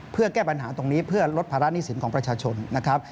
เพื่อแก้ปัญหาตรงนี้เพื่อลดภาระหนี้สินของประชาชนนะครับ